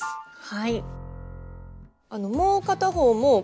はい。